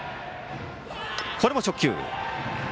これも直球。